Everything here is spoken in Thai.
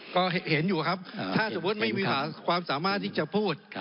ก็เห็นอยู่ครับถ้าสมมุติไม่มีความสามารถที่จะพูด